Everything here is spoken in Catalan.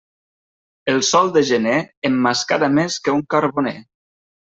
El sol de gener emmascara més que un carboner.